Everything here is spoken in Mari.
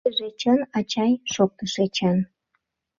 — Тидыже чын, ачай, — шоктыш Эчан.